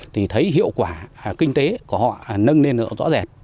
thì thấy hiệu quả kinh tế của họ nâng lên rất rõ ràng